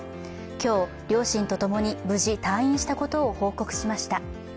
今日、両親とともに無事、退院したことを報告しました。